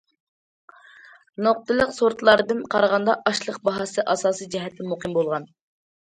نۇقتىلىق سورتلاردىن قارىغاندا، ئاشلىق باھاسى ئاساسىي جەھەتتىن مۇقىم بولغان.